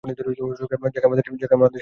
Jack, আমাদের সাথে কী করবে সে?